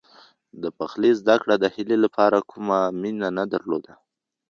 د پخلي زده کړه د هیلې لپاره کومه مینه نه درلوده.